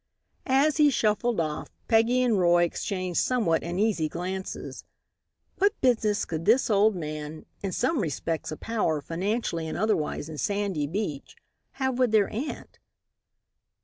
As he shuffled off, Peggy and Roy exchanged somewhat uneasy glances. What business could this old man in some respects a power financially and otherwise in Sandy Beach have with their aunt?